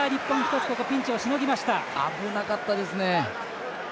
危なかったですね。